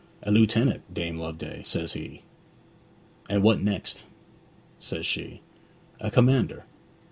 "A lieutenant, Dame Loveday," says he. "And what next?" says she. "A commander."